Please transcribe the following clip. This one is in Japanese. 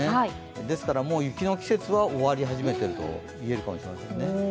ですから、もう雪の季節は終わり始めてると言えるかもしれませんね。